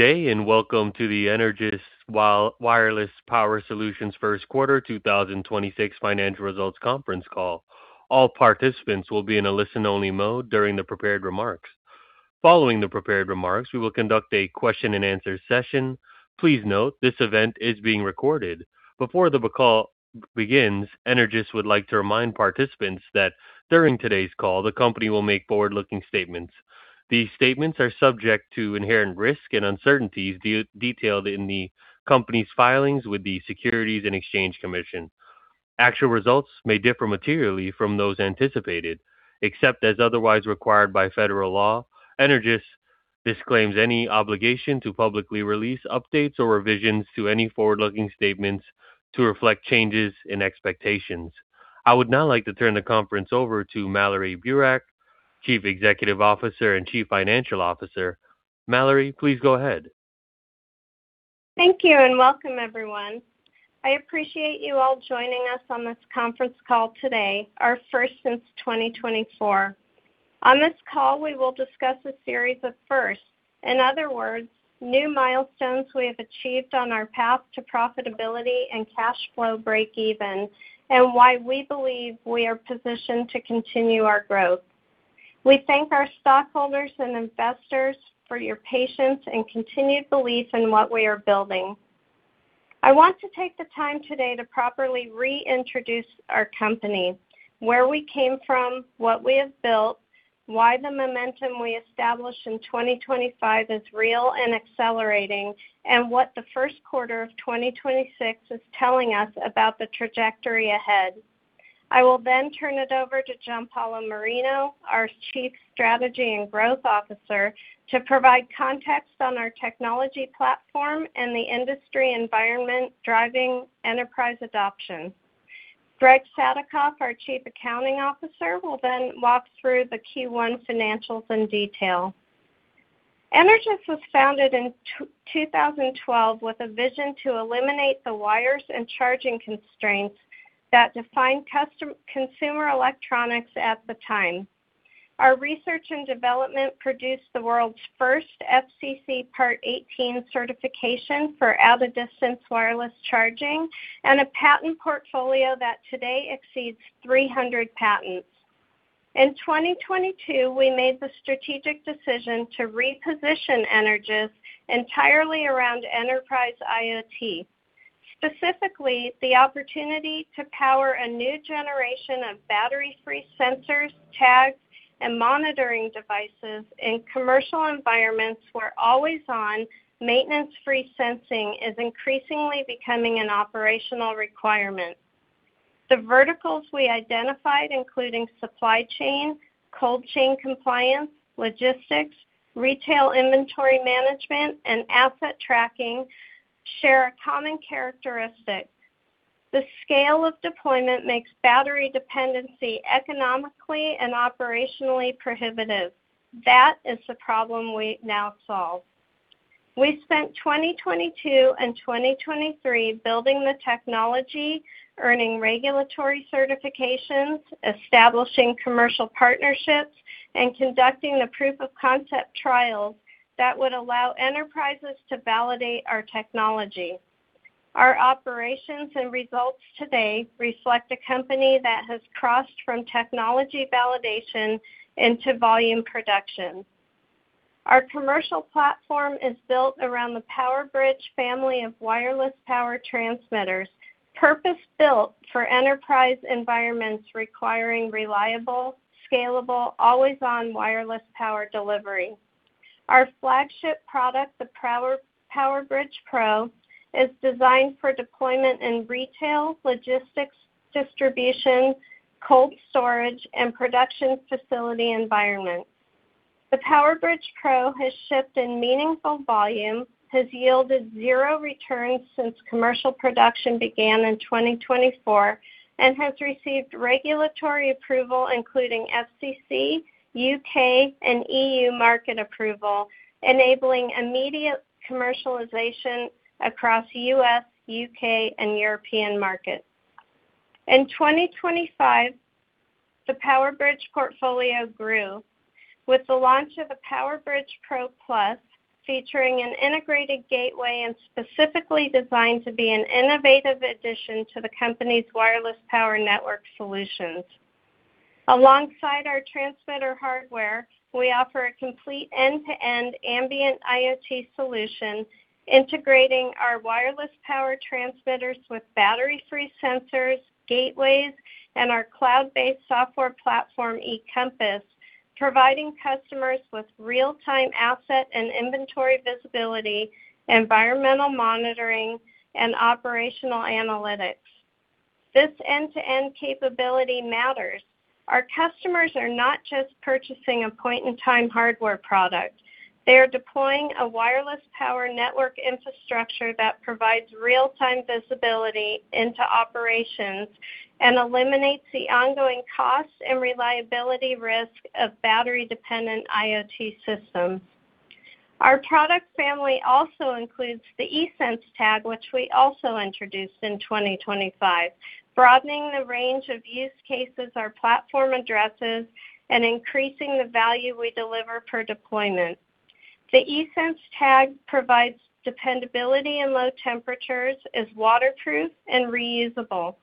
Good day, and welcome to the Energous Wireless Power Solutions first quarter 2026 financial results conference call. All participants will be in a listen-only mode during the prepared remarks. Following the prepared remarks, we will conduct a question-and-answer session. Please note this event is being recorded. Before the call begins, Energous would like to remind participants that during today's call, the company will make forward-looking statements. These statements are subject to inherent risks and uncertainties detailed in the company's filings with the Securities and Exchange Commission. Actual results may differ materially from those anticipated. Except as otherwise required by federal law, Energous disclaims any obligation to publicly release updates or revisions to any forward-looking statements to reflect changes in expectations. I would now like to turn the conference over to Mallorie Burak, Chief Executive Officer and Chief Financial Officer. Mallorie, please go ahead. Thank you. Welcome everyone. I appreciate you all joining us on this conference call today, our first since 2024. On this call, we will discuss a series of firsts, in other words, new milestones we have achieved on our path to profitability and cash flow breakeven, and why we believe we are positioned to continue our growth. We thank our stockholders and investors for your patience and continued belief in what we are building. I want to take the time today to properly reintroduce our company, where we came from, what we have built, why the momentum we established in 2025 is real and accelerating, and what the first quarter of 2026 is telling us about the trajectory ahead. I will then turn it over to Giampaolo Marino, our Chief Strategy and Growth Officer, to provide context on our technology platform and the industry environment driving enterprise adoption. Greg Sadikoff our Chief Accounting Officer, will then walk through the Q1 financials in detail. Energous was founded in 2012 with a vision to eliminate the wires and charging constraints that defined consumer electronics at the time. Our research and development produced the world's first FCC Part 18 certification for out-of-distance wireless charging and a patent portfolio that today exceeds 300 patents. In 2022, we made the strategic decision to reposition Energous entirely around enterprise IoT. Specifically, the opportunity to power a new generation of battery-free sensors, tags, and monitoring devices in commercial environments where always-on maintenance-free sensing is increasingly becoming an operational requirement. The verticals we identified, including supply chain, cold chain compliance, logistics, retail inventory management, and asset tracking, share a common characteristic. The scale of deployment makes battery dependency economically and operationally prohibitive. That is the problem we now solve. We spent 2022 and 2023 building the technology, earning regulatory certifications, establishing commercial partnerships, and conducting the proof-of-concept trials that would allow enterprises to validate our technology. Our operations and results today reflect a company that has crossed from technology validation into volume production. Our commercial platform is built around the PowerBridge family of wireless power transmitters, purpose-built for enterprise environments requiring reliable, scalable, always-on wireless power delivery. Our flagship product, the PowerBridge PRO, is designed for deployment in retail, logistics, distribution, cold storage, and production facility environments. The PowerBridge PRO has shipped in meaningful volume, has yielded 0 returns since commercial production began in 2024, and has received regulatory approval, including FCC, U.K., and EU market approval, enabling immediate commercialization across U.S., U.K., and European markets. In 2025, the PowerBridge portfolio grew with the launch of a PowerBridge PRO+, featuring an integrated gateway and specifically designed to be an innovative addition to the company's wireless power network solutions. Alongside our transmitter hardware, we offer a complete end-to-end ambient IoT solution, integrating our wireless power transmitters with battery-free sensors, gateways, and our cloud-based software platform, e-Compass, providing customers with real-time asset and inventory visibility, environmental monitoring, and operational analytics. This end-to-end capability matters. Our customers are not just purchasing a point-in-time hardware product. They are deploying a wireless power network infrastructure that provides real-time visibility into operations and eliminates the ongoing costs and reliability risk of battery-dependent IoT systems. Our product family also includes the e-Sense tag, which we also introduced in 2025, broadening the range of use cases our platform addresses and increasing the value we deliver per deployment. The e-Sense tag provides dependability in low temperatures, is waterproof, and reusable.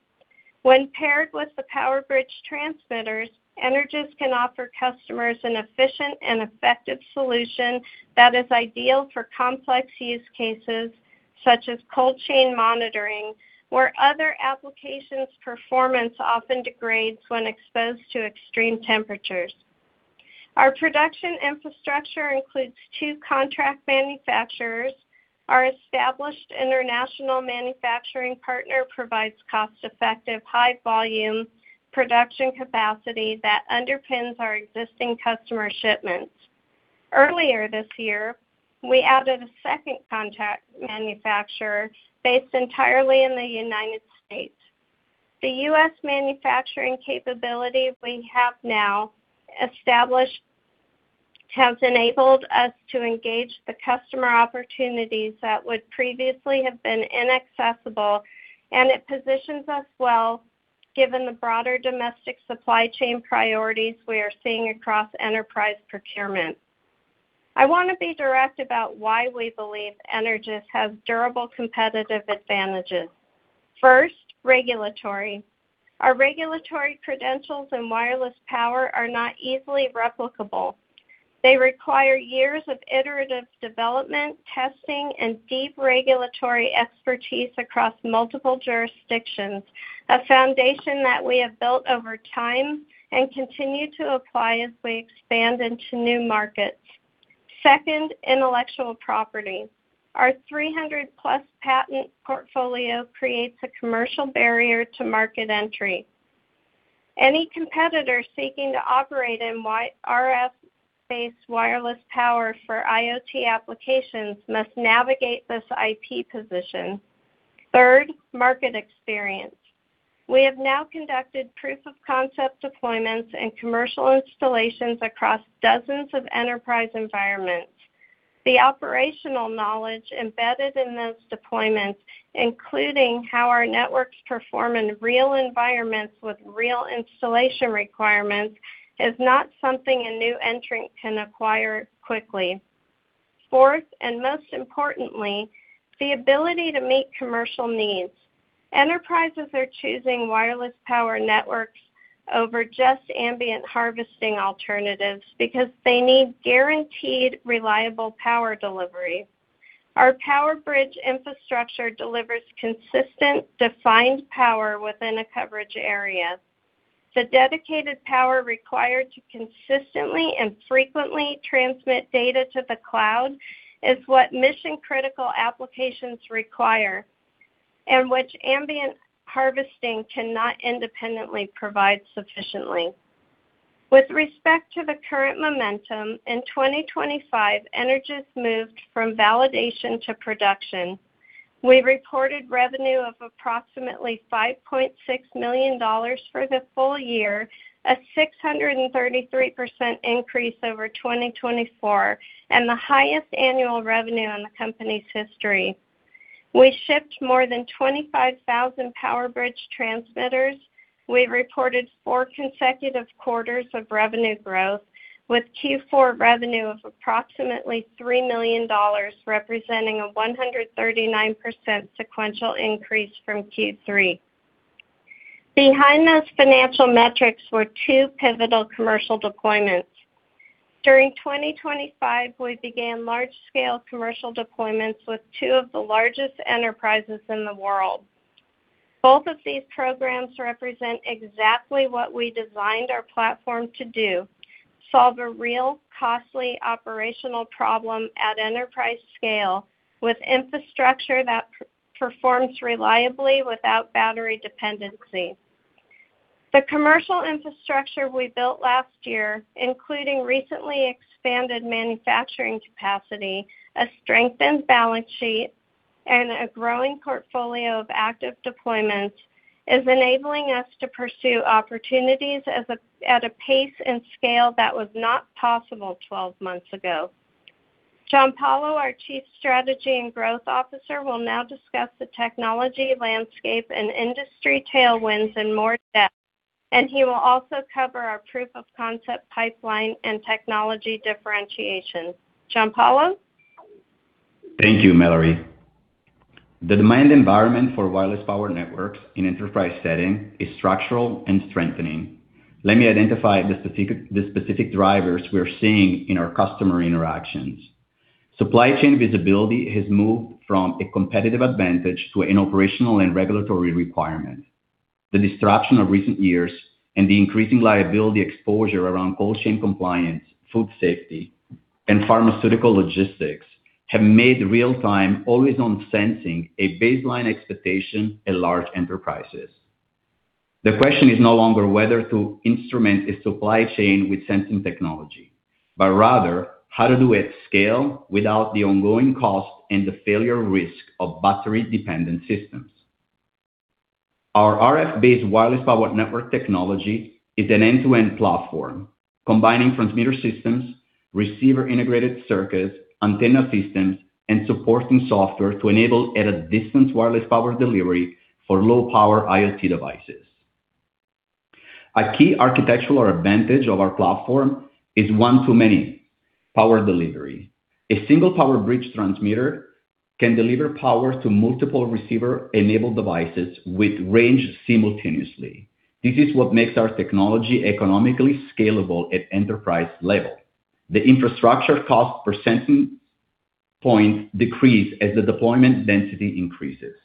When paired with the PowerBridge transmitters, Energous can offer customers an efficient and effective solution that is ideal for complex use cases, such as cold chain monitoring, where other applications' performance often degrades when exposed to extreme temperatures. Our production infrastructure includes two contract manufacturers. Our established international manufacturing partner provides cost-effective, high-volume production capacity that underpins our existing customer shipments. Earlier this year, we added a second contract manufacturer based entirely in the United States. The U.S. manufacturing capability we have now established has enabled us to engage the customer opportunities that would previously have been inaccessible. It positions us well given the broader domestic supply chain priorities we are seeing across enterprise procurement. I wanna be direct about why we believe Energous has durable competitive advantages. First, regulatory. Our regulatory credentials in wireless power are not easily replicable. They require years of iterative development, testing, and deep regulatory expertise across multiple jurisdictions, a foundation that we have built over time and continue to apply as we expand into new markets. Second, intellectual property. Our 300 plus patent portfolio creates a commercial barrier to market entry. Any competitor seeking to operate in RF-based wireless power for IoT applications must navigate this IP position. Third, market experience. We have now conducted proof-of-concept deployments and commercial installations across dozens of enterprise environments. The operational knowledge embedded in those deployments, including how our networks perform in real environments with real installation requirements, is not something a new entrant can acquire quickly. Fourth, and most importantly, the ability to meet commercial needs. Enterprises are choosing wireless power networks over just ambient harvesting alternatives because they need guaranteed reliable power delivery. Our PowerBridge infrastructure delivers consistent, defined power within a coverage area. The dedicated power required to consistently and frequently transmit data to the cloud is what mission-critical applications require, and which ambient harvesting cannot independently provide sufficiently. With respect to the current momentum, in 2025, Energous moved from validation to production. We reported revenue of approximately $5.6 million for the full year, a 633% increase over 2024, and the highest annual revenue in the company's history. We shipped more than 25,000 PowerBridge transmitters. We reported four consecutive quarters of revenue growth, with Q4 revenue of approximately $3 million, representing a 139% sequential increase from Q3. Behind those financial metrics were two pivotal commercial deployments. During 2025, we began large-scale commercial deployments with two of the largest enterprises in the world. Both of these programs represent exactly what we designed our platform to do: solve a real, costly operational problem at enterprise scale with infrastructure that performs reliably without battery dependency. The commercial infrastructure we built last year, including recently expanded manufacturing capacity, a strengthened balance sheet, and a growing portfolio of active deployments, is enabling us to pursue opportunities at a pace and scale that was not possible 12 months ago. Giampaolo, our Chief Strategy and Growth Officer, will now discuss the technology landscape and industry tailwinds in more depth, and he will also cover our proof-of-concept pipeline and technology differentiation. Giampaolo? Thank you, Mallorie. The demand environment for wireless power networks in enterprise setting is structural and strengthening. Let me identify the specific drivers we're seeing in our customer interactions. Supply chain visibility has moved from a competitive advantage to an operational and regulatory requirement. The disruption of recent years and the increasing liability exposure around cold chain compliance, food safety, and pharmaceutical logistics have made real-time, always-on sensing a baseline expectation at large enterprises. The question is no longer whether to instrument a supply chain with sensing technology, rather how to do it at scale without the ongoing cost and the failure risk of battery-dependent systems. Our RF-based wireless power network technology is an end-to-end platform combining transmitter systems, receiver integrated circuits, antenna systems, and supporting software to enable at-a-distance wireless power delivery for low-power IoT devices. A key architectural advantage of our platform is one-to-many power delivery. A single PowerBridge transmitter can deliver power to multiple receiver-enabled devices with range simultaneously. This is what makes our technology economically scalable at enterprise level. The infrastructure cost per sensing point decrease as the deployment density increases.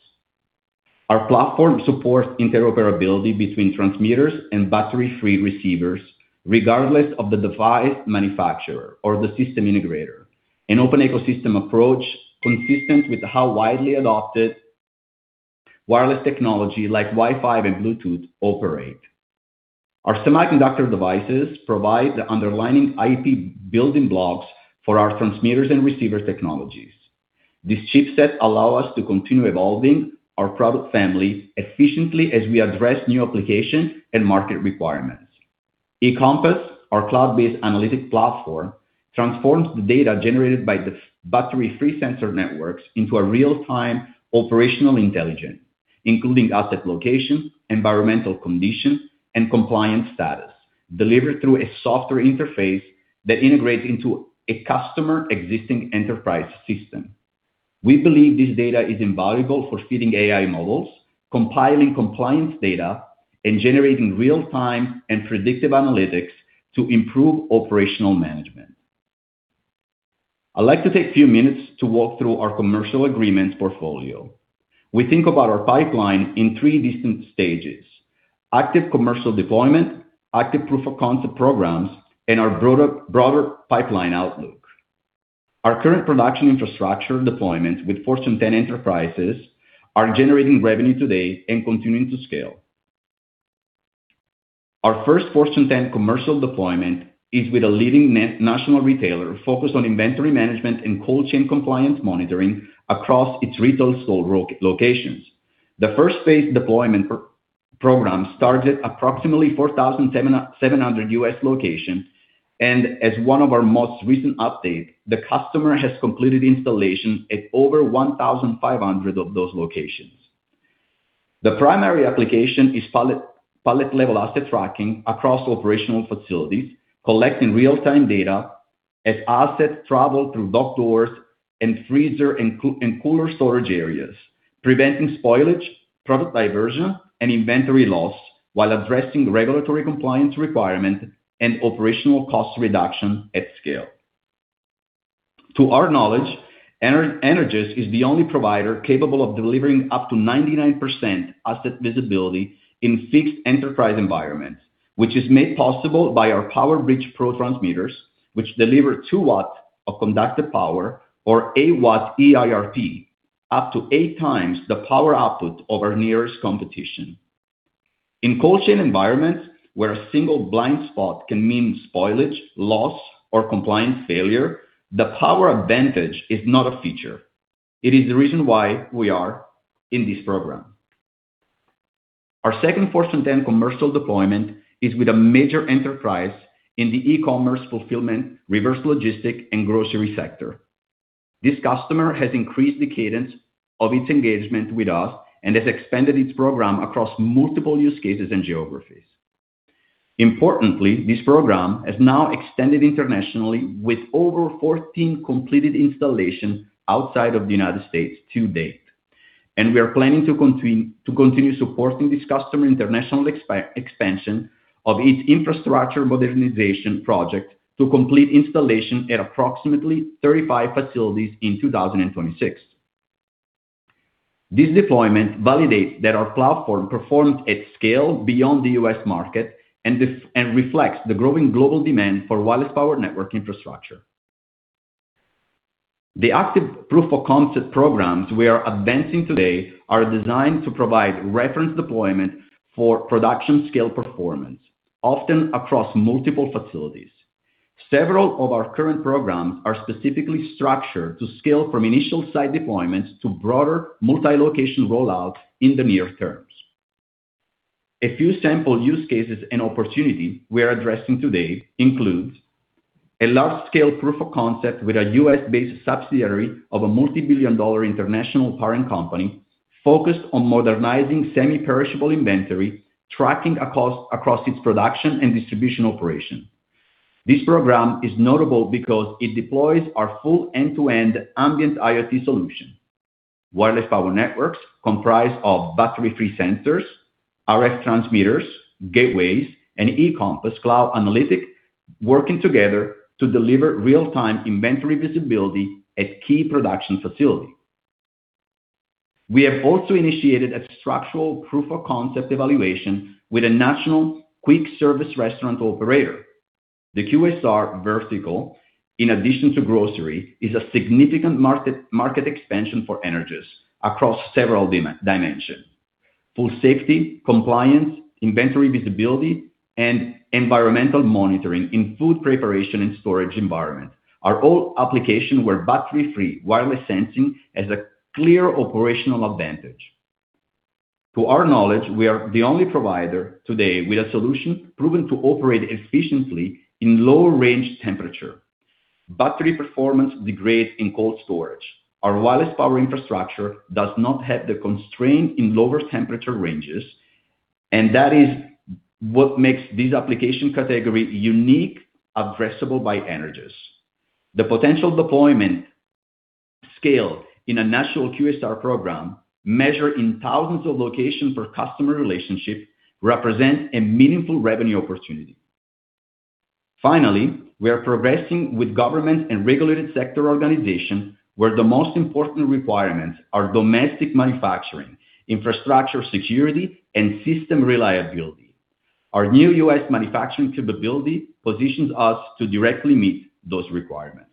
Our platform supports interoperability between transmitters and battery-free receivers regardless of the device manufacturer or the system integrator. An open ecosystem approach consistent with how widely adopted wireless technology like Wi-Fi and Bluetooth operate. Our semiconductor devices provide the underlying IP building blocks for our transmitters and receivers technologies. These chipsets allow us to continue evolving our product family efficiently as we address new application and market requirements. e-Compass, our cloud-based analytic platform, transforms the data generated by the battery-free sensor networks into a real-time operational intelligence, including asset location, environmental condition, and compliance status delivered through a software interface that integrates into a customer existing enterprise system. We believe this data is invaluable for feeding AI models, compiling compliance data, and generating real-time and predictive analytics to improve operational management. I'd like to take a few minutes to walk through our commercial agreements portfolio. We think about our pipeline in three distinct stages: active commercial deployment, active proof-of-concept programs, and our broader pipeline outlook. Our current production infrastructure deployments with Fortune 10 enterprises are generating revenue today and continuing to scale. Our first Fortune 10 commercial deployment is with a leading national retailer focused on inventory management and cold chain compliance monitoring across its retail store locations. The first phase deployment program started approximately 4,700 U.S. locations. As one of our most recent update, the customer has completed installations at over 1,500 of those locations. The primary application is pallet-level asset tracking across operational facilities, collecting real-time data as assets travel through dock doors and freezer and cooler storage areas, preventing spoilage, product diversion, and inventory loss while addressing regulatory compliance requirement and operational cost reduction at scale. To our knowledge, Energous is the only provider capable of delivering up to 99% asset visibility in fixed enterprise environments, which is made possible by our PowerBridge PRO transmitters, which deliver 2 W of conductive power or 1 W EIRP, up to 8x the power output of our nearest competition. In cold chain environments, where a single blind spot can mean spoilage, loss, or compliance failure, the power advantage is not a feature. It is the reason why we are in this program. Our second Fortune 10 commercial deployment is with a major enterprise in the e-commerce fulfillment, reverse logistic, and grocery sector. This customer has increased the cadence of its engagement with us and has expanded its program across multiple use cases and geographies. Importantly, this program has now extended internationally with over 14 completed installations outside of the United States to date. We are planning to continue supporting this customer international expansion of its infrastructure modernization project to complete installation at approximately 35 facilities in 2026. This deployment validates that our platform performs at scale beyond the U.S. market and reflects the growing global demand for wireless power network infrastructure. The active proof-of-concept programs we are advancing today are designed to provide reference deployment for production scale performance, often across multiple facilities. Several of our current programs are specifically structured to scale from initial site deployments to broader multi-location rollouts in the near terms. A few sample use cases and opportunity we are addressing today includes a large-scale proof of concept with a U.S.-based subsidiary of a multi-billion dollar international parent company focused on modernizing semi-perishable inventory, tracking across its production and distribution operation. This program is notable because it deploys our full end-to-end ambient IoT solution. Wireless power networks comprised of battery-free sensors, RF transmitters, gateways, and e-Compass cloud analytic working together to deliver real-time inventory visibility at key production facility. We have also initiated a structural proof-of-concept evaluation with a national quick service restaurant operator. The QSR vertical, in addition to grocery, is a significant market expansion for Energous across several dimensions. Food safety, compliance, inventory visibility, and environmental monitoring in food preparation and storage environments are all applications where battery-free wireless sensing has a clear operational advantage. To our knowledge, we are the only provider today with a solution proven to operate efficiently in low range temperature. Battery performance degrades in cold storage. Our wireless power infrastructure does not have the constraint in lower temperature ranges. That is what makes this application category unique, addressable by Energous. The potential deployment scale in a national QSR program measured in thousands of locations per customer relationship represents a meaningful revenue opportunity. Finally, we are progressing with government and regulated sector organizations, where the most important requirements are domestic manufacturing, infrastructure security, and system reliability. Our new U.S. manufacturing capability positions us to directly meet those requirements.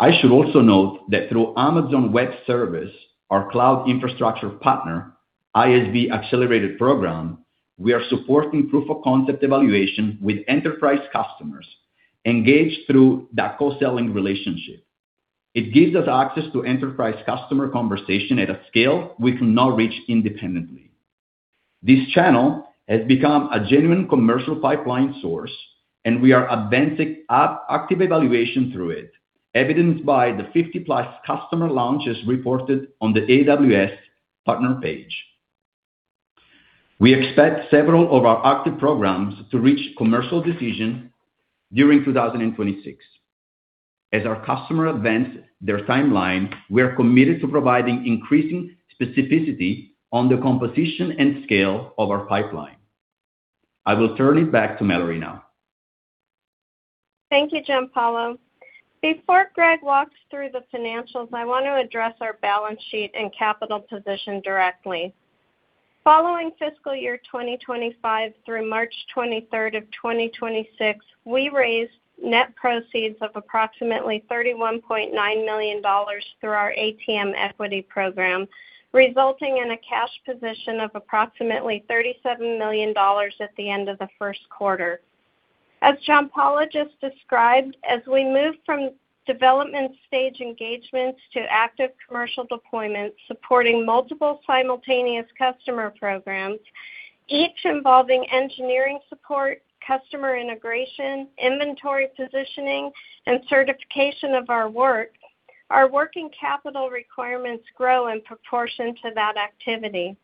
I should also note that through Amazon Web Services, our cloud infrastructure partner, ISV Accelerate Program, we are supporting proof of concept evaluation with enterprise customers engaged through that co-selling relationship. It gives us access to enterprise customer conversation at a scale we cannot reach independently. This channel has become a genuine commercial pipeline source, and we are advancing active evaluation through it, evidenced by the 50+ customer launches reported on the AWS partner page. We expect several of our active programs to reach commercial decision during 2026. As our customer advance their timeline, we are committed to providing increasing specificity on the composition and scale of our pipeline. I will turn it back to Mallorie now. Thank you, Giampaolo. Before Greg walks through the financials, I want to address our balance sheet and capital position directly. Following fiscal year 2025 through March 23rd of 2026, we raised net proceeds of approximately $31.9 million through our ATM equity program, resulting in a cash position of approximately $37 million at the end of the first quarter. As Giampaolo just described, as we move from development stage engagements to active commercial deployment, supporting multiple simultaneous customer programs, each involving engineering support, customer integration, inventory positioning, and certification of our work, our working capital requirements grow in proportion to that activity.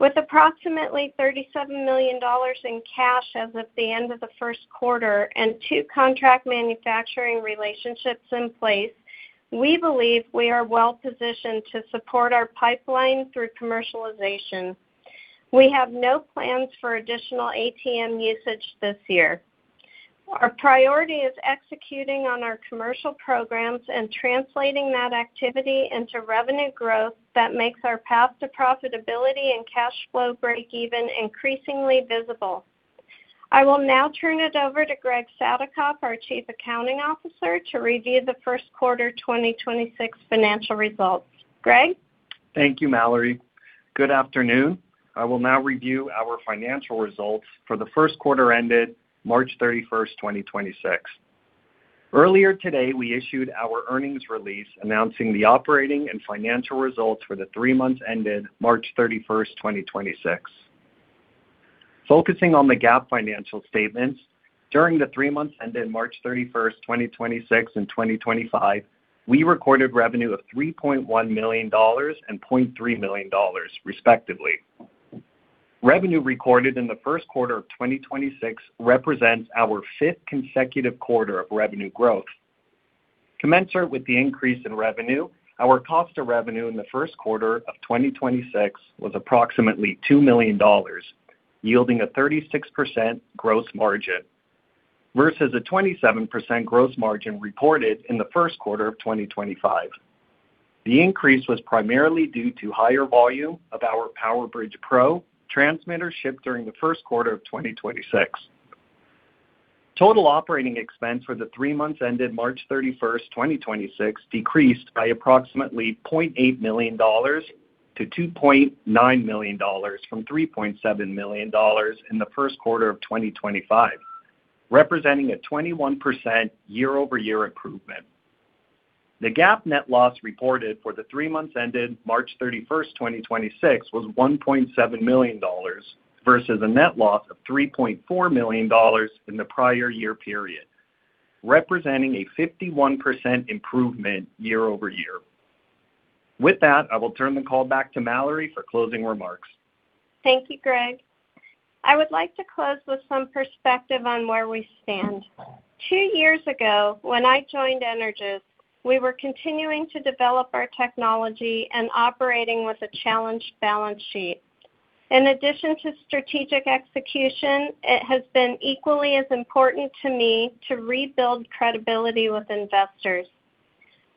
With approximately $37 million in cash as of the end of the first quarter and two contract manufacturing relationships in place, we believe we are well-positioned to support our pipeline through commercialization. We have no plans for additional ATM usage this year. Our priority is executing on our commercial programs and translating that activity into revenue growth that makes our path to profitability and cash flow breakeven increasingly visible. I will now turn it over to Greg Sadikoff, our Chief Accounting Officer, to review the first quarter 2026 financial results. Greg? Thank you, Mallorie. Good afternoon. I will now review our financial results for the first quarter ended March 31st, 2026. Earlier today, we issued our earnings release announcing the operating and financial results for the three months ended March 31st, 2026. Focusing on the GAAP financial statements, during the three months ended March 31st, 2026 and 2025, we recorded revenue of $3.1 million and $0.3 million, respectively. Revenue recorded in the first quarter of 2026 represents our fifth consecutive quarter of revenue growth. Commensurate with the increase in revenue, our cost of revenue in the first quarter of 2026 was approximately $2 million, yielding a 36% gross margin versus a 27% gross margin reported in the first quarter of 2025. The increase was primarily due to higher volume of our PowerBridge PRO transmitter shipped during the first quarter of 2026. Total operating expense for the three months ended March 31st, 2026 decreased by approximately $0.8 million to $2.9 million from $3.7 million in the first quarter of 2025, representing a 21% year-over-year improvement. The GAAP net loss reported for the three months ended March 31st, 2026 was $1.7 million versus a net loss of $3.4 million in the prior year period, representing a 51% year-over-year improvement. With that, I will turn the call back to Mallorie for closing remarks. Thank you, Greg. I would like to close with some perspective on where we stand. Two years ago, when I joined Energous, we were continuing to develop our technology and operating with a challenged balance sheet. In addition to strategic execution, it has been equally as important to me to rebuild credibility with investors.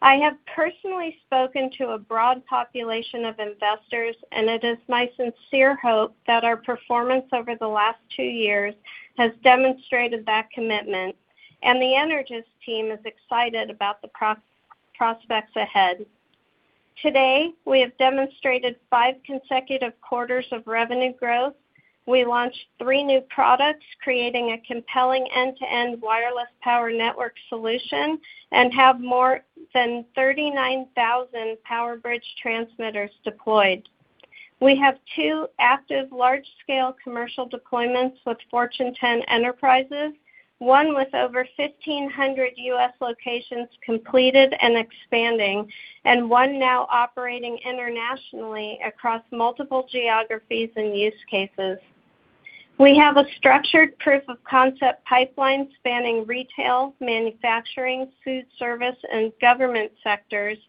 I have personally spoken to a broad population of investors, and it is my sincere hope that our performance over the last two years has demonstrated that commitment, and the Energous team is excited about the prospects ahead. Today, we have demonstrated five consecutive quarters of revenue growth. We launched three new products, creating a compelling end-to-end wireless power network solution, and have more than 39,000 PowerBridge transmitters deployed. We have two active large-scale commercial deployments with Fortune 10 enterprises, one with over 1,500 U.S. locations completed and expanding, and one now operating internationally across multiple geographies and use cases. We have a structured proof of concept pipeline spanning retail, manufacturing, food service, and government sectors.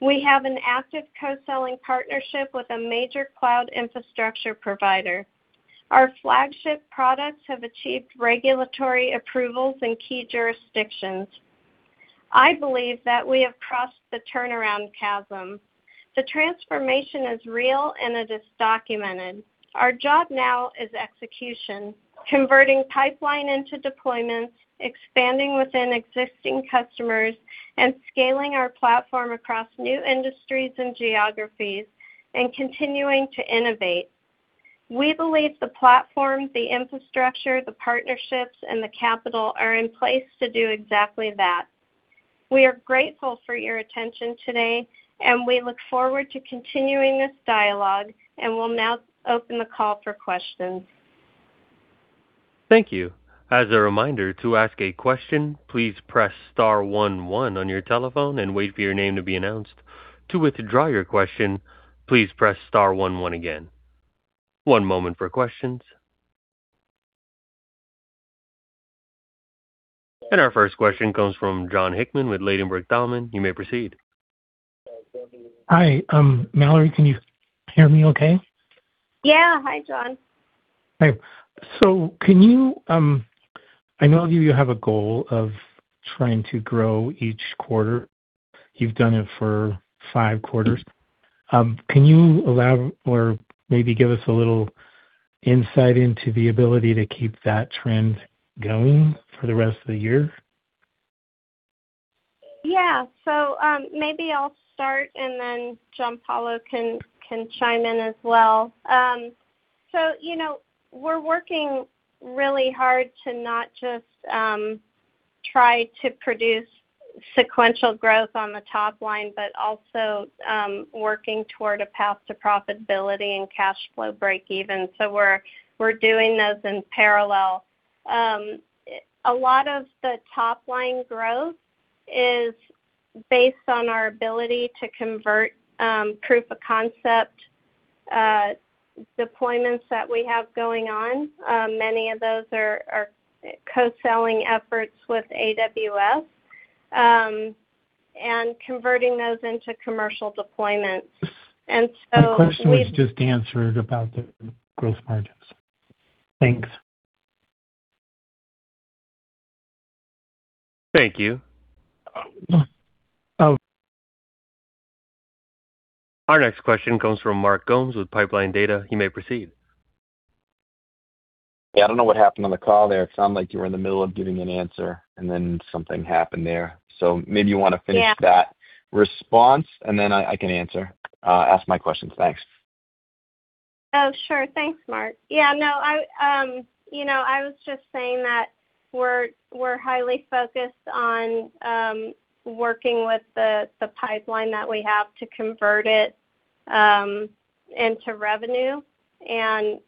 We have an active co-selling partnership with a major cloud infrastructure provider. Our flagship products have achieved regulatory approvals in key jurisdictions. I believe that we have crossed the turnaround chasm. The transformation is real, and it is documented. Our job now is execution, converting pipeline into deployments, expanding within existing customers, and scaling our platform across new industries and geographies and continuing to innovate. We believe the platform, the infrastructure, the partnerships, and the capital are in place to do exactly that. We are grateful for your attention today, and we look forward to continuing this dialogue, and we'll now open the call for questions. Thank you. As a reminder, to ask a question, please press star one one on your telephone and wait for your name to be announced. To withdraw your question, please press star one one again. One moment for questions. Our first question comes from Jon Hickman with Ladenburg Thalmann. You may proceed. Hi. Mallorie, can you hear me okay? Yeah. Hi, Jon. Hi. I know you have a goal of trying to grow each quarter. You've done it for five quarters. Can you elaborate or maybe give us a little insight into the ability to keep that trend going for the rest of the year? Yeah. Maybe I'll start, and then Giampaolo can chime in as well. You know, we're working really hard to not just try to produce sequential growth on the top line, but also working toward a path to profitability and cash flow break even. We're doing those in parallel. A lot of the top-line growth is based on our ability to convert proof of concept deployments that we have going on, many of those are co-selling efforts with AWS and converting those into commercial deployments. My question was just answered about the growth margins. Thanks. Thank you. Oh. Our next question comes from Mark Gomes with Pipeline Data. You may proceed. Yeah, I don't know what happened on the call there. It sounded like you were in the middle of giving an answer, and then something happened there. Maybe you wanna finish. Yeah. That response, and then I can ask my questions. Thanks. Oh, sure. Thanks, Mark. Yeah. No, I, you know, I was just saying that we're highly focused on working with the pipeline that we have to convert it into revenue.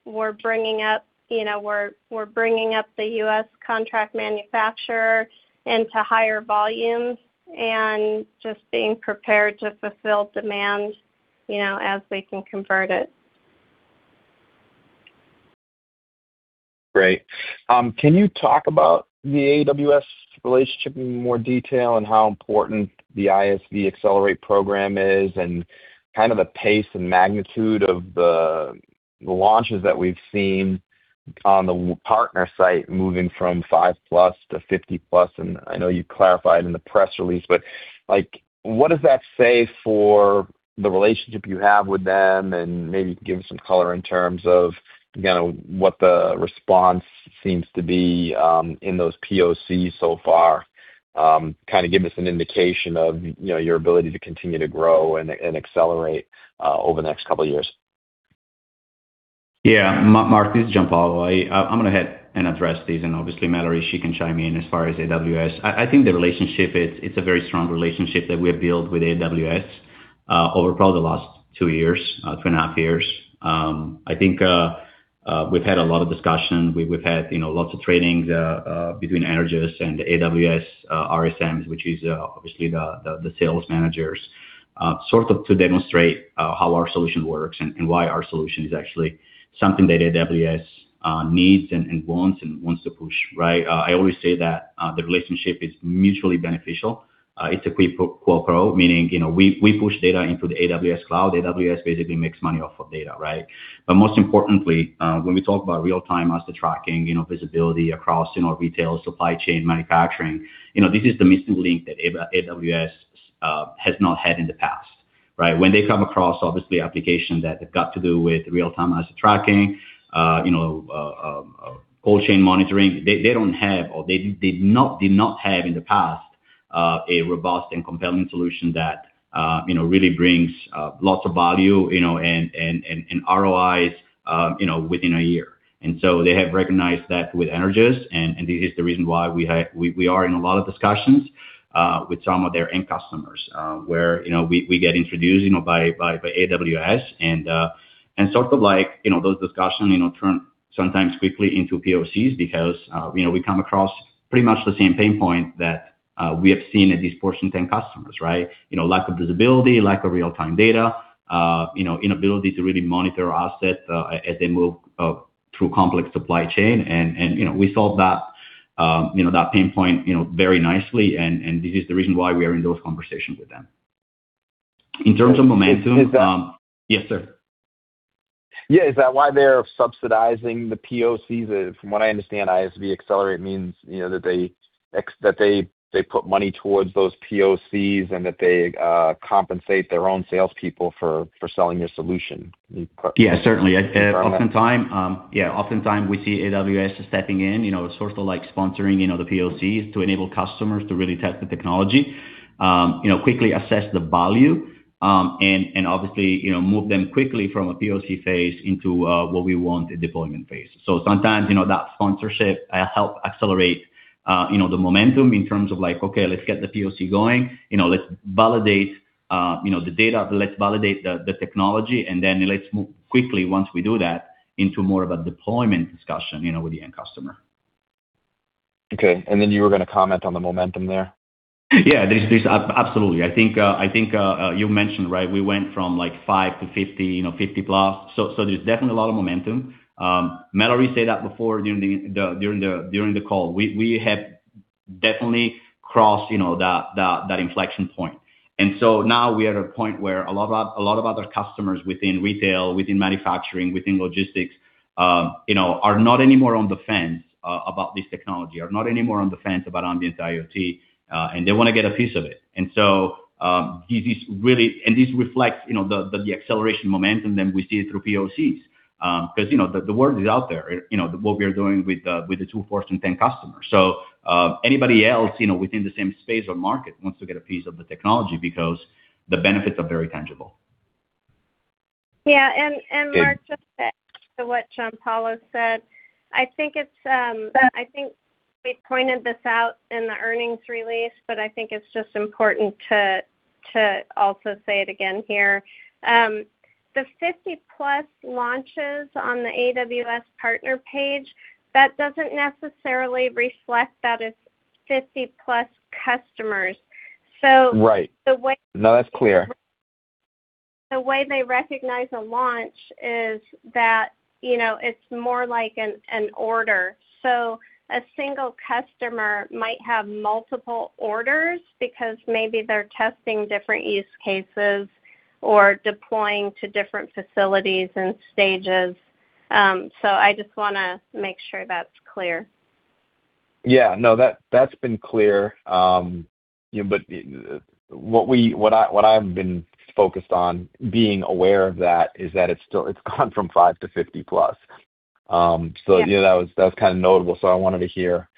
We're bringing up, you know, we're bringing up the U.S. contract manufacturer into higher volumes and just being prepared to fulfill demand, you know, as we can convert it. Great. Can you talk about the AWS relationship in more detail and how important the ISV Accelerate program is and kind of the pace and magnitude of the launches that we've seen on the partner site moving from five+ launches to 50+ launches. I know you clarified in the press release, but, like, what does that say for the relationship you have with them? Maybe give us some color in terms of, you know, what the response seems to be in those POC so far. Kind of give us an indication of, you know, your ability to continue to grow and accelerate over the next couple of years. Yeah. Mark, this is Giampaolo. I'm gonna ahead and address these and obviously Mallorie, she can chime in as far as AWS. I think the relationship, it's a very strong relationship that we have built with AWS over probably the last two years, two and a half years. I think we've had a lot of discussion. We've had, you know, lots of trainings between Energous and AWS RSMs, which is obviously the sales managers, sort of to demonstrate how our solution works and why our solution is actually something that AWS needs and wants and wants to push, right? I always say that the relationship is mutually beneficial. It's a quid pro quo, meaning, you know, we push data into the AWS cloud. AWS basically makes money off of data, right? Most importantly, when we talk about real-time asset tracking, you know, visibility across, you know, retail, supply chain, manufacturing, you know, this is the missing link that AWS has not had in the past, right? When they come across, obviously, application that has got to do with real-time asset tracking, you know, cold chain monitoring, they don't have or they did not have in the past. A robust and compelling solution that, you know, really brings lots of value, you know, and ROIs, you know, within a year. They have recognized that with Energous. This is the reason why we are in a lot of discussions with some of their end customers where, you know, we get introduced, you know, by AWS and sort of like, you know, those discussion, you know, turn sometimes quickly into POCs because, you know, we come across pretty much the same pain point that we have seen at these Fortune 10 customers, right? You know, lack of visibility, lack of real-time data, you know, inability to really monitor assets as they move through complex supply chain. We solve that, you know, that pain point, you know, very nicely and this is the reason why we are in those conversations with them. In terms of momentum. Is, is, um. Yes, sir. Yeah. Is that why they're subsidizing the POCs? From what I understand, ISV Accelerate means, you know, that they put money towards those POCs and that they compensate their own salespeople for selling your solution. Yeah, certainly. Can you confirm that? Oftentimes, oftentimes we see AWS stepping in, you know, sort of like sponsoring, you know, the POCs to enable customers to really test the technology, you know, quickly assess the value, and obviously, you know, move them quickly from a POC phase into what we want the deployment phase. Sometimes, you know, that sponsorship help accelerate, you know, the momentum in terms of like, okay, let's get the POC going. You know, let's validate, you know, the data. Let's validate the technology, let's move quickly once we do that into more of a deployment discussion, you know, with the end customer. Okay. You were gonna comment on the momentum there. Yeah. Absolutely. I think I think you mentioned, right, we went from like five to 50+ launches, there's definitely a lot of momentum. Mallorie said that before during the call. We have definitely crossed that inflection point. Now we are at a point where a lot of other customers within retail, within manufacturing, within logistics, are not anymore on the fence about this technology, are not anymore on the fence about ambient IoT, and they wanna get a piece of it. This reflects the acceleration momentum that we see through POCs. 'Cause, you know, the word is out there, you know, what we are doing with the two Fortune 10 customers. Anybody else, you know, within the same space or market wants to get a piece of the technology because the benefits are very tangible. Yeah. Mark, just to add to what Giampaolo said, I think it's, I think we pointed this out in the earnings release, but I think it's just important to also say it again here. The 50+ launches on the AWS partner page, that doesn't necessarily reflect that it's 50+ customers. Right The way. No, that's clear. The way they recognize a launch is that, you know, it's more like an order. A single customer might have multiple orders because maybe they're testing different use cases or deploying to different facilities and stages. I just wanna make sure that's clear. Yeah. No, that's been clear. Yeah, what I've been focused on being aware of that is that it's gone from five to 50+ launches. Yeah You know, that was, that was kinda notable, so I wanted to hear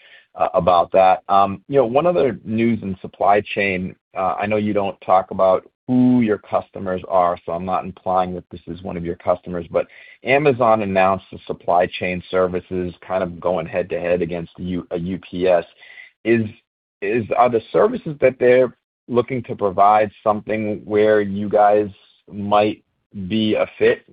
about that. You know, one other news in supply chain, I know you don't talk about who your customers are, so I'm not implying that this is one of your customers, but Amazon announced the supply chain services kind of going head-to-head against UPS. Are the services that they're looking to provide something where you guys might be a fit?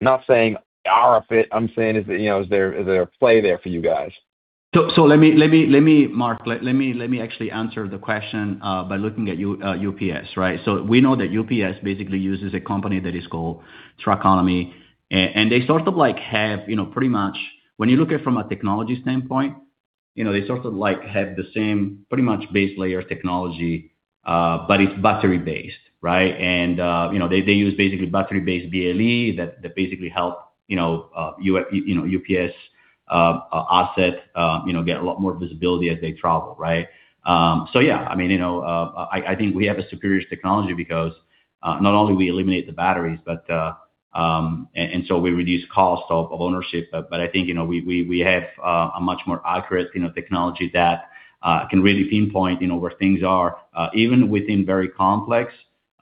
Not saying are a fit. I'm saying is, you know, is there, is there a play there for you guys? Mark, let me actually answer the question by looking at UPS, right? We know that UPS basically uses a company that is called Trackonomy. They sort of like have, you know, pretty much when you look at it from a technology standpoint, you know, they sort of like have the same pretty much base layer technology, but it's battery based, right? You know, they use basically battery based BLE that basically help, you know, UPS assets, you know, get a lot more visibility as they travel, right? Yeah, I mean, you know, I think we have a superior technology because not only we eliminate the batteries, but so we reduce cost of ownership. I think, you know, we have a much more accurate, you know, technology that can really pinpoint, you know, where things are even within very complex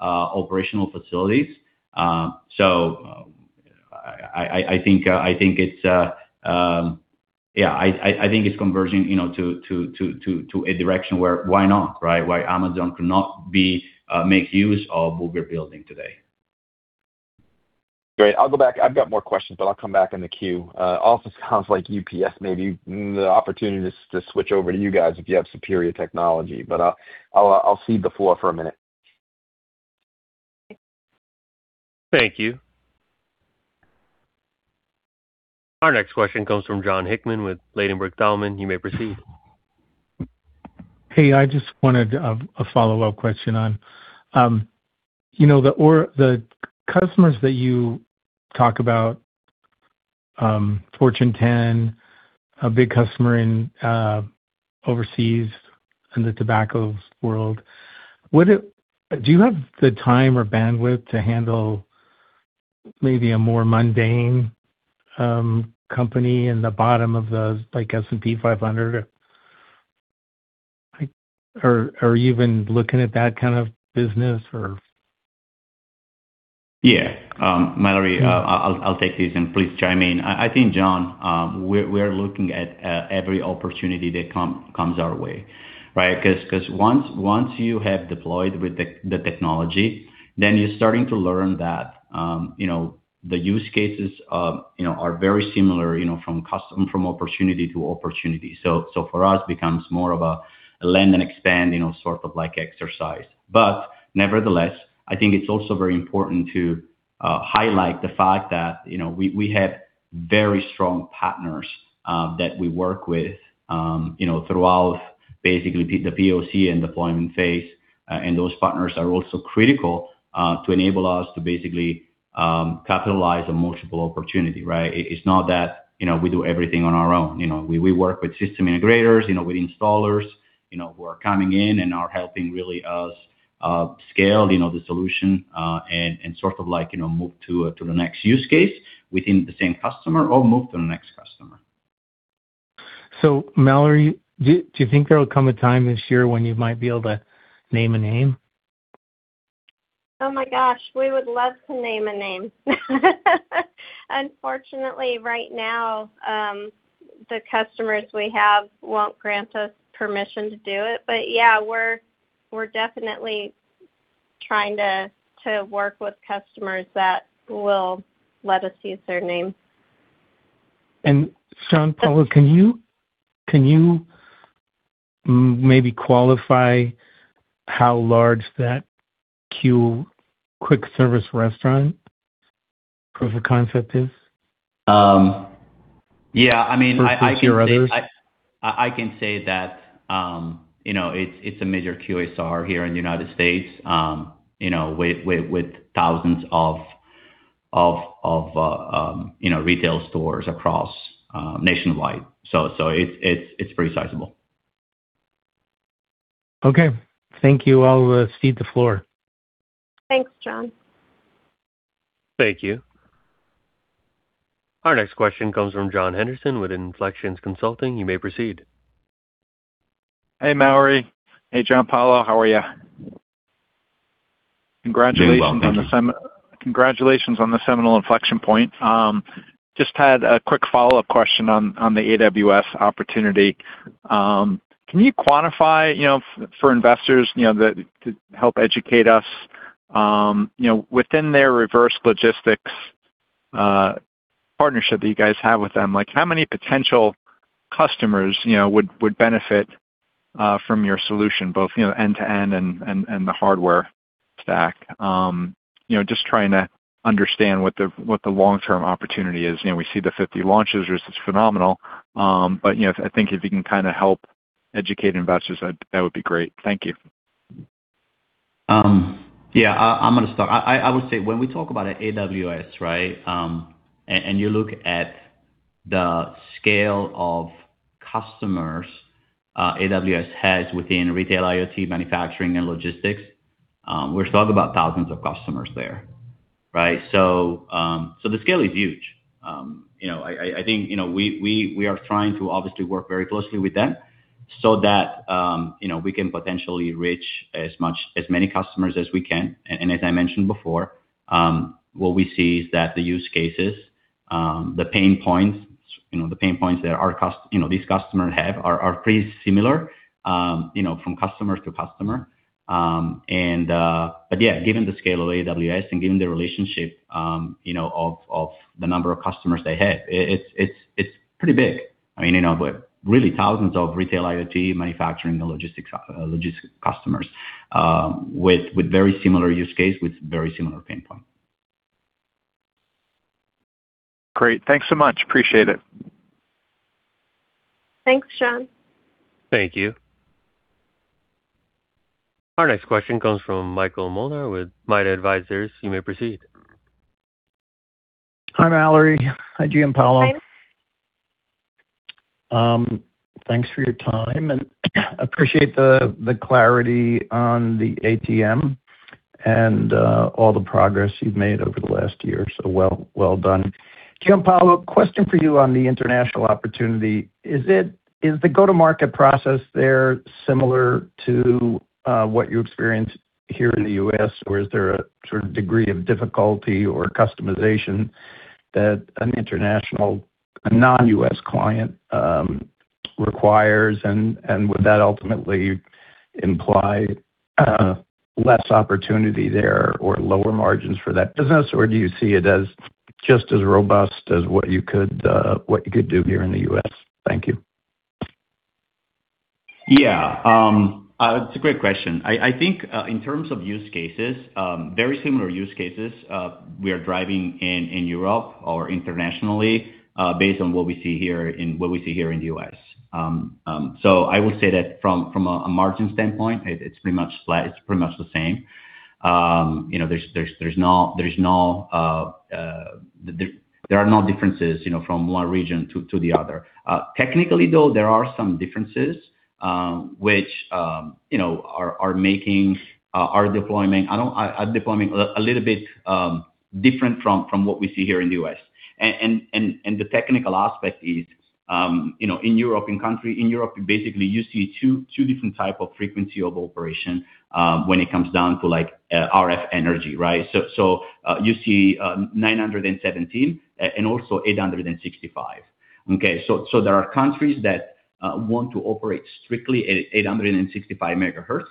operational facilities. I think it's, yeah, converging, you know, to a direction where why not, right? Why Amazon could not be make use of what we're building today. Great. I'll go back. I've got more questions, but I'll come back in the queue. Also sounds like UPS may be the opportunity to switch over to you guys if you have superior technology. I'll cede the floor for a minute. Thank you. Our next question comes from Jon Hickman with Ladenburg Thalmann. You may proceed. Hey, I just wanted a follow-up question on, you know, the or the customers that you talk about, Fortune 10, a big customer in overseas in the tobacco world. Do you have the time or bandwidth to handle a more mundane company in the bottom of the, like S&P 500? Like Are you even looking at that kind of business or? Yeah. Mallorie, I'll take this, and please chime in. I think, Jon, we're looking at every opportunity that comes our way, right? 'Cause once you have deployed with the technology, then you're starting to learn that, you know, the use cases, you know, are very similar, you know, from opportunity to opportunity. For us, it becomes more of a lend and expand, you know, sort of like exercise. Nevertheless, I think it's also very important to highlight the fact that, you know, we have very strong partners that we work with, you know, throughout basically the POC and deployment phase. Those partners are also critical to enable us to basically capitalize on multiple opportunity, right? It's not that, you know, we do everything on our own, you know. We work with system integrators, you know, with installers, you know, who are coming in and are helping really us scale, you know, the solution and sort of like, you know, move to the next use case within the same customer or move to the next customer. Mallorie, do you think there will come a time this year when you might be able to name a name? Oh my gosh, we would love to name a name. Unfortunately, right now, the customers we have won't grant us permission to do it. Yeah, we're definitely trying to work with customers that will let us use their name. Giampaolo, can you maybe qualify how large that quick service restaurant proof of concept is? Yeah. I mean. Versus your others. I can say that, you know, it's a major QSR here in the United States., you know, with thousands of, you know, retail stores across nationwide. It's pretty sizable. Okay. Thank you. I'll cede the floor. Thanks, Jon. Thank you. Our next question comes from John Henderson with Inflections Consulting. You may proceed. Hey, Mallorie. Hey, Giampaolo. How are you? Doing well. Thank you. Congratulations on the seminal inflection point. Just had a quick follow-up question on the AWS opportunity. Can you quantify, you know, for investors, you know, to help educate us, you know, within their reverse logistics partnership that you guys have with them, like how many potential customers, you know, would benefit from your solution, both, you know, end-to-end and the hardware stack? You know, just trying to understand what the long-term opportunity is. You know, we see the 50 launches, which is phenomenal. You know, I think if you can kinda help educate investors, that would be great. Thank you. Yeah, I'm gonna start. I would say when we talk about AWS, right? You look at the scale of customers AWS has within retail IoT manufacturing and logistics, we're talking about thousands of customers there, right? The scale is huge. You know, I think, you know, we are trying to obviously work very closely with them so that, you know, we can potentially reach as many customers as we can. As I mentioned before, what we see is that the use cases, the pain points, you know, the pain points that our, you know, these customers have are pretty similar, you know, from customer to customer. Yeah, given the scale of AWS and given the relationship, you know, of the number of customers they have, it's, it's pretty big. I mean, you know, with really thousands of retail IoT manufacturing and logistics, logistic customers, with very similar use case, with very similar pain point. Great. Thanks so much. Appreciate it. Thanks, John. Thank you. Our next question comes from Michael Molnar with MYDA Advisors. You may proceed. Hi, Mallorie. Hi, Giampaolo. Hi. Thanks for your time and appreciate the clarity on the ATM and all the progress you've made over the last year. Well, well done. Giampaolo, question for you on the international opportunity. Is the go-to-market process there similar to what you experienced here in the U.S., or is there a sort of degree of difficulty or customization that an international, a non-U.S. client requires? Would that ultimately imply less opportunity there or lower margins for that business, or do you see it as just as robust as what you could do here in the U.S.? Thank you. Yeah. It's a great question. I think, in terms of use cases, very similar use cases we are driving in Europe or internationally, based on what we see here in the U.S. I would say that from a margin standpoint, it's pretty much flat. It's pretty much the same. You know, there's no, there are no differences, you know, from one region to the other. Technically though, there are some differences, which, you know, are making our deployment a little bit different from what we see here in the U.S.. The technical aspect is, you know, in Europe, basically you see two different type of frequency of operation, when it comes down to, like, RF energy, right. You see 917 MHz and also 865 MHz. Okay. There are countries that want to operate strictly at 865 MHz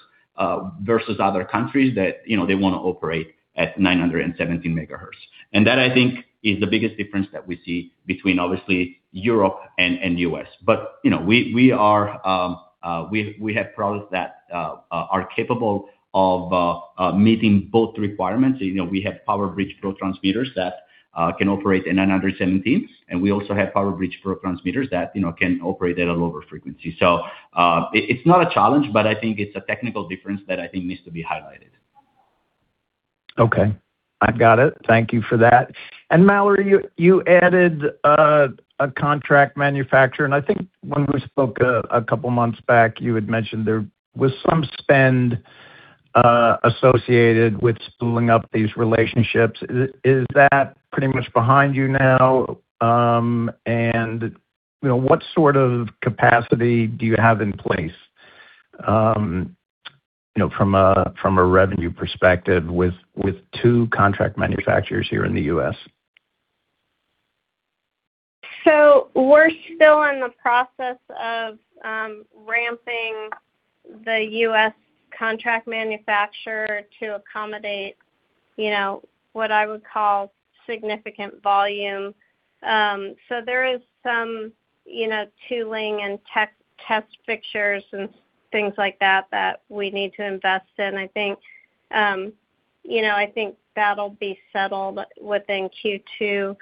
versus other countries that, you know, they wanna operate at 917 MHz. That I think is the biggest difference that we see between obviously Europe and U.S. You know, we are, we have products that are capable of meeting both requirements. You know, we have PowerBridge PRO transmitters that can operate in 917, and we also have PowerBridge PRO transmitters that, you know, can operate at a lower frequency. It's not a challenge, but I think it's a technical difference that I think needs to be highlighted. Okay. I've got it. Thank you for that. Mallorie, you added a contract manufacturer, I think when we spoke a couple months back, you had mentioned there was some spend associated with spooling up these relationships. Is that pretty much behind you now? You know, what sort of capacity do you have in place, you know, from a revenue perspective with two contract manufacturers here in the U.S.? We're still in the process of ramping the U.S. contract manufacturer to accommodate, you know, what I would call significant volume. There is some, you know, tooling and test fixtures and things like that we need to invest in. I think, you know, I think that'll be settled within Q2.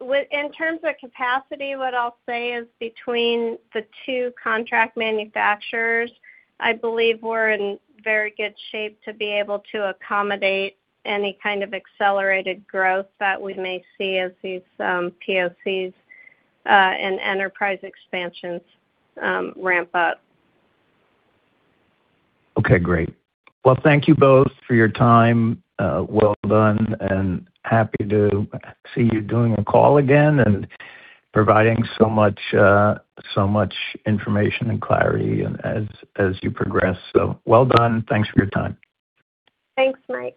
In terms of capacity, what I'll say is between the two contract manufacturers, I believe we're in very good shape to be able to accommodate any kind of accelerated growth that we may see as these POCs and enterprise expansions ramp up. Okay, great. Thank you both for your time. Well done, happy to see you doing a call again and providing so much, so much information and clarity as you progress. Well done. Thanks for your time. Thanks, Mike.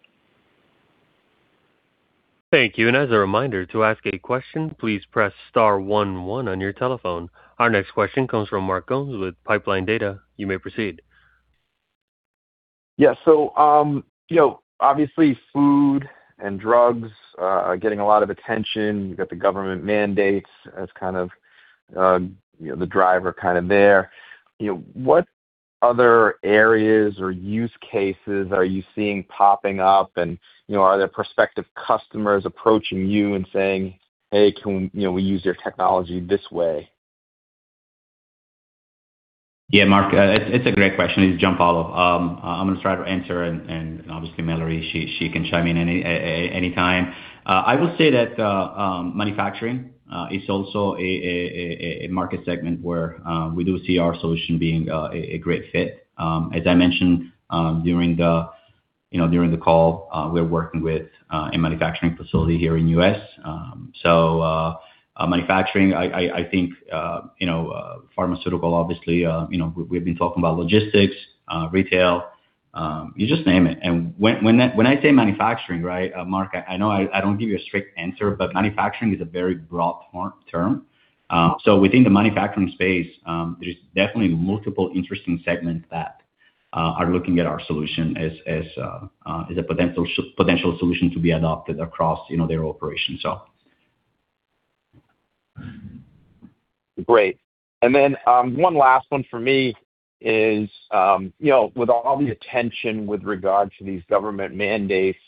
Thank you. As a reminder, to ask a question, please press star one one on your telephone. Our next question comes from Mark Gomes with Pipeline Data. You may proceed. Yeah. You know, obviously food and drugs are getting a lot of attention. You got the government mandates as kind of, you know, the driver kind of there. You know, what other areas or use cases are you seeing popping up? You know, are there prospective customers approaching you and saying, "Hey, can, you know, we use your technology this way? Yeah, Mark, it's a great question. This is Giampaolo. I'm gonna try to answer and obviously Mallory, she can chime in any time. I will say that manufacturing is also a market segment where we do see our solution being a great fit. As I mentioned, during the, you know, during the call, we're working with a manufacturing facility here in U.S. So manufacturing, I think, you know, pharmaceutical obviously, you know, we've been talking about logistics, retail, you just name it. When I say manufacturing, right, Mark, I know I don't give you a strict answer, but manufacturing is a very broad term. Within the manufacturing space, there's definitely multiple interesting segments that are looking at our solution as a potential solution to be adopted across, you know, their operations. Great. One last one from me is, you know, with all the attention with regard to these government mandates,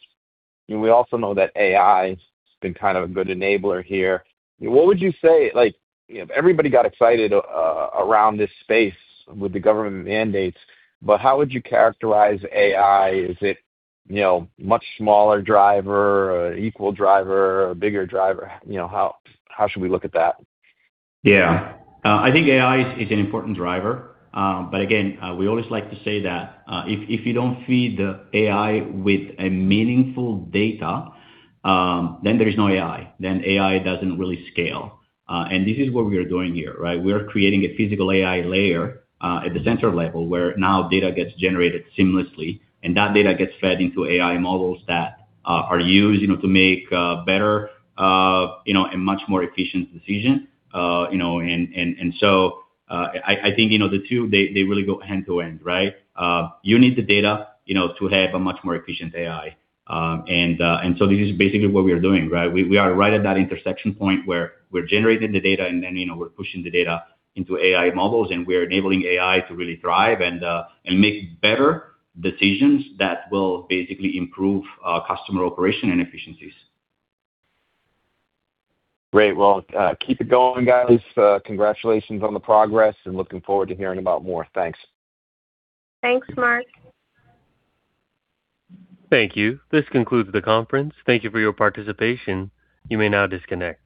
and we also know that AI has been kind of a good enabler here. What would you say, like, you know, everybody got excited around this space with the government mandates, but how would you characterize AI? Is it, you know, much smaller driver, equal driver, a bigger driver? You know, how should we look at that? Yeah. I think AI is an important driver. Again, we always like to say that if you don't feed the AI with a meaningful data, then there is no AI, then AI doesn't really scale. This is what we are doing here, right? We are creating a physical AI layer at the sensor level, where now data gets generated seamlessly, and that data gets fed into AI models that are used, you know, to make better, you know, and much more efficient decision. You know, I think, you know, the two they really go hand to hand, right? You need the data, you know, to have a much more efficient AI. This is basically what we are doing, right? We are right at that intersection point where we're generating the data and then, you know, we're pushing the data into AI models, and we are enabling AI to really thrive and make better decisions that will basically improve customer operation and efficiencies. Great. Well, keep it going, guys. Congratulations on the progress and looking forward to hearing about more. Thanks. Thanks, Mark. Thank you. This concludes the conference. Thank you for your participation. You may now disconnect.